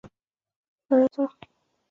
力量同时决定了人物负重上限。